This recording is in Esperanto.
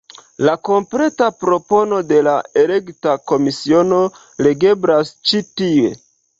La kompleta propono de la elekta komisiono legeblas ĉi tie.